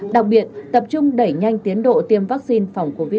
đặc biệt tập trung đẩy nhanh tiến độ tiêm vaccine phòng covid một mươi chín